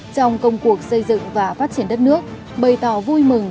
trong công cuộc xây dựng